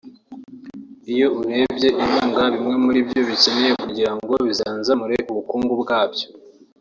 Iyo urebye inkunga bimwe muri byo bikeneye kugira ngo bizanzamure ubukungu bwabyo